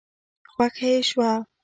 خوښه يې شوه.